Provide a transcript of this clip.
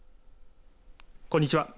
こんにちは。